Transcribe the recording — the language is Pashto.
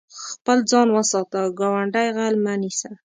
خپل ځان وساته، ګاونډی غل مه نيسه.